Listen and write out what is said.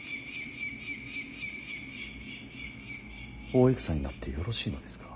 大戦になってよろしいのですか。